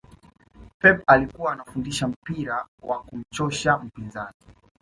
pep alikuwa anafundisha mpira wa kumchosha mpinzani